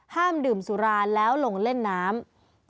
ห้ามดื่มสุราแล้วลงเล่นน้ำ